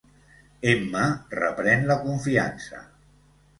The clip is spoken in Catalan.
Emma reprèn la confiança.